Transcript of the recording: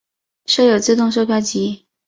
设有自动售票机。